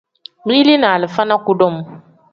Mili ni alifa ni kudum.